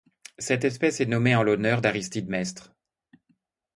Cette espèce est nommée en l'honneur d'Aristides Mestre.